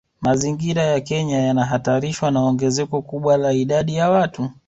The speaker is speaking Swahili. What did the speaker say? Mazingira ya Kenya yanahatarishwa na ongezeko kubwa la idadi ya watu